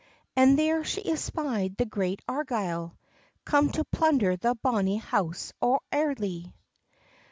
And there she espied the great Argyle Come to plunder the bonnie house o' Airly.